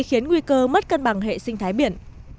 khiến nguy cơ mất cân bằng hệ sinh thái biển